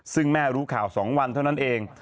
ซึ่งแม่รู้ข่าว๒วันเท่านั้นเอง